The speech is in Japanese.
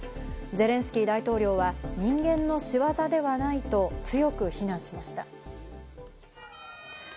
ゼレンスキー大統領は人間の仕業ではないと強く非難しました。